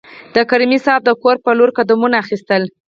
د کریمي صیب د کور په لور قدمونه اخیستل.